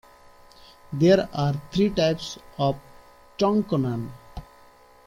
There are three types of "tongkonan".